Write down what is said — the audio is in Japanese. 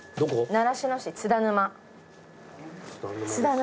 習志野市津田沼。